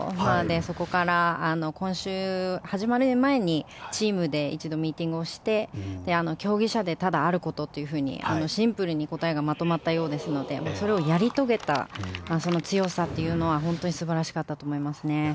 そこから、今週始まる前にチームで一度ミーティングをして競技者でただあることというふうにシンプルに答えがまとまったようですのでそれをやり遂げたその強さというのは本当に素晴らしかったと思いますね。